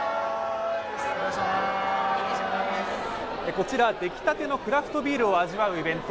こちら、できたてのクラフトビールを味わうイベント。